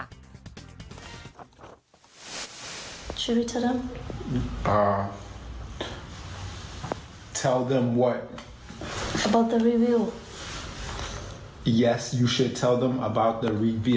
คุณก็ต้องบอกพวกมันว่าความลับของเรานั่นค่ะ